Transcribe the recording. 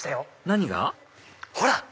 何が？ほら！